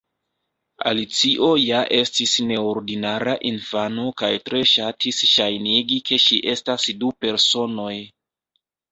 Alicio ja estis neordinara infano kaj tre ŝatis ŝajnigi ke ŝi estas du personoj.